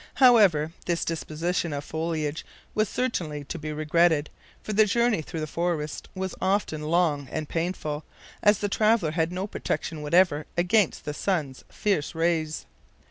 However, this disposition of foliage was certainly to be regretted, for the journey through the forest was often long and painful, as the traveler had no protection whatever against the sun's fierce rays.